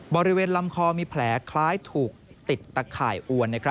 บริเวณลำคอมีแผลคล้ายถูกติดตะข่ายอวน